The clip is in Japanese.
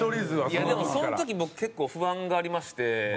いやでもその時僕結構不安がありまして。